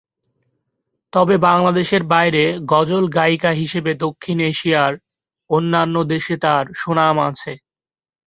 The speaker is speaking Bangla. তবে বাংলাদেশের বাইরে গজল গায়িকা হিসাবে দক্ষিণ এশিয়ার অন্যান্য দেশে তার সুনাম আছে।